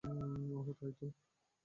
ওহ, তাইতো!